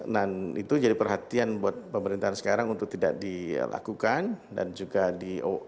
dan itu jadi perhatian buat pemerintahan sekarang untuk tidak dilakukan dan juga diperhatikan